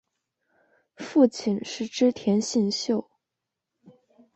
父亲是织田信秀。